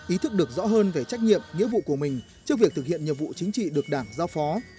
ý thức được rõ hơn về trách nhiệm nghĩa vụ của mình trước việc thực hiện nhiệm vụ chính trị được đảng giao phó